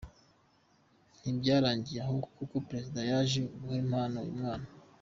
Ntibyarangiriye aho kuko Perezida yaje guha impano uyu mwana.